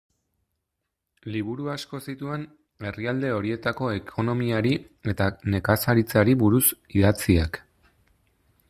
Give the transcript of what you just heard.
Liburu asko zituen herrialde horietako ekonomiari eta nekazaritzari buruz idatziak.